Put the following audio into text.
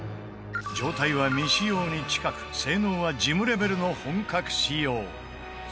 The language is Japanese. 状態は未使用に近く性能はジムレベルの本格仕様